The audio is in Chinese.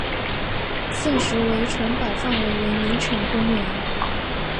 现时为城堡范围为名城公园。